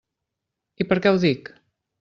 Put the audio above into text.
I per què ho dic?